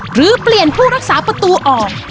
หรือเปลี่ยนผู้รักษาประตูออก